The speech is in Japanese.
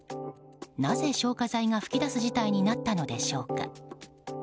なぜ消火剤が噴き出す事態になったのでしょうか。